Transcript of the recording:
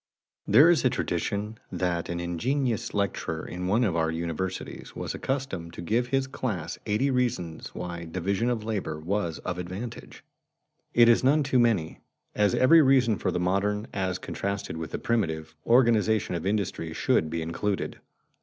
_ There is a tradition that an ingenious lecturer in one of our universities was accustomed to give to his class eighty reasons why division of labor was of advantage. It is none too many, as every reason for the modern, as contrasted with the primitive, organization of industry should be included.